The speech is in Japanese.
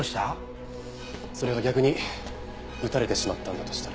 それが逆に撃たれてしまったんだとしたら。